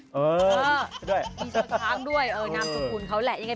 มีชอช้างด้วย